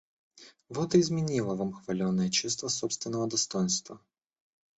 Вот и изменило вам хваленое чувство собственного достоинства.